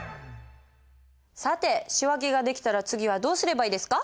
さて仕訳ができたら次はどうすればいいですか？